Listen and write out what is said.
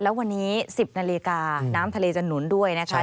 แล้ววันนี้๑๐นาฬิกาน้ำทะเลจะหนุนด้วยนะคะ